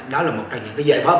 đó là một trong những giải pháp